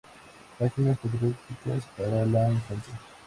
Páginas patrióticas para la infancia".